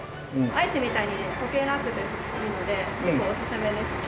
アイスみたいに溶けなくていいので芋おすすめです。